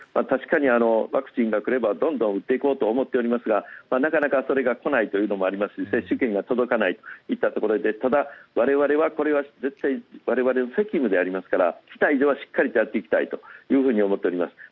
確かにワクチンが来ればどんどん打っていこうと思っておりますがなかなかそれが来ないというのもありますし接種券が届かないといったところでただ、これは我々の責務でありますから来た以上はしっかりとやっていきたいと思っています。